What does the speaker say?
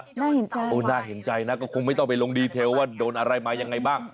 น่าเห็นใจโอ้น่าเห็นใจนะก็คงไม่ต้องไปลงดีเทลว่าโดนอะไรมายังไงบ้าง